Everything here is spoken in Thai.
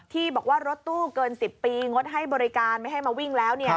ที่บอกว่ารถตู้เกิน๑๐ปีงดให้บริการไม่ให้มาวิ่งแล้ว